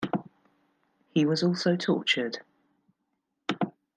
He was also tortured.